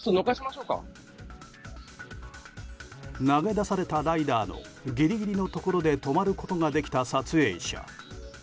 投げ出されたライダーのギリギリのところで止まることができた撮影者。